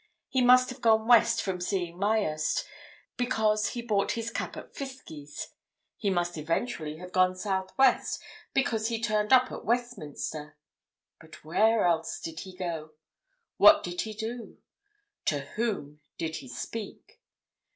He must have gone West from seeing Myerst, because he bought his cap at Fiskie's; he must eventually have gone South West, because he turned up at Westminster. But where else did he go? What did he do? To whom did he speak?